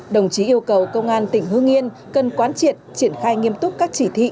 đồng chí yêu cầu công an tỉnh hương yên cần quán triệt triển khai nghiêm túc các chỉ thị